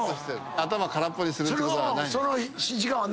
頭空っぽにするってことはないんですか？